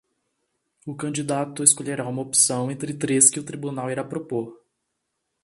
O candidato escolherá uma opção entre três que o tribunal irá propor.